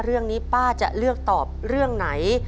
เรื่องนี้ป้าจะเลือกตอบเรื่องไหน